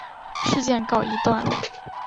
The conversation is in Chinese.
事件告一段落。